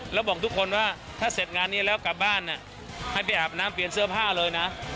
แล้วบอกทุกคนว่าถ้าเสร็จงานนี้แล้วกลับบ้านให้ไปอาบน้ำเปลี่ยนเสื้อผ้าเลยนะ